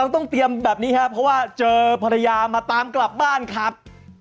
ต้องเตรียมแบบนี้ครับเพราะว่าเจอภรรยามาตามกลับบ้านครับ